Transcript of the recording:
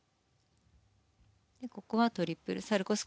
ここはトリプルサルコウ。